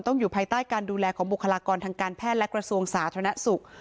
อยู่ภายใต้การดูแลของบุคลากรทางการแพทย์และกระทรวงสาธารณสุข